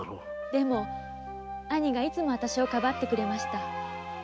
でも兄がいつも私をかばってくれました。